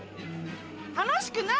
楽しくない！